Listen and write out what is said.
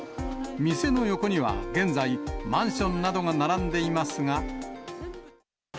店の横には現在、マンションなどが並んでいますが。